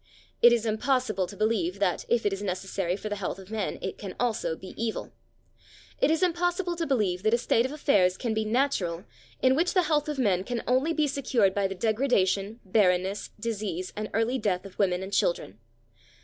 It is impossible to believe that, if it is necessary for the health of men, it can also be evil. It is impossible to believe that a state of affairs can be natural in which the health of men can only be secured by the degradation, barrenness, disease and early death of women and children.